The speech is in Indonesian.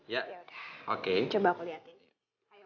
ya udah coba aku liatin